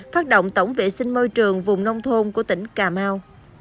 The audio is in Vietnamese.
phát động tổng vệ sinh môi trường vùng nông thôn của tỉnh cà mau